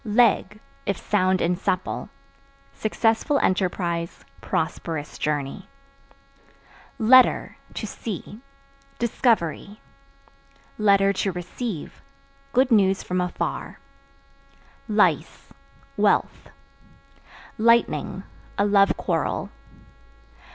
Leg (If sound and supple) successful enterprise, prosperous journey. Letter (To see) discovery; (to receive) good news from afar. Lice Wealth. Lightning A love quarrel.